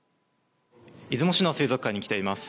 出雲市の水族館に来ています。